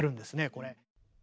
これ。